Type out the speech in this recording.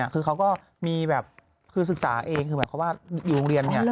คือเขาก็มีภาพศึกษาเองอยู่โรงเรียนอ่ะ